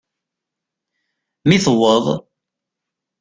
Mi tewweḍ.